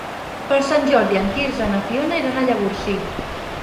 Per Sant Jordi en Quirze i na Fiona iran a Llavorsí.